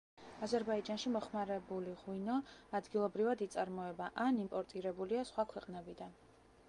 აზერბაიჯანში მოხმარებული ღვინო ადგილობრივად იწარმოება ან იმპორტირებულია სხვა ქვეყნებიდან.